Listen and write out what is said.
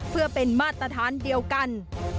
เพื่อเป็นมาตรฐานเดียวกัน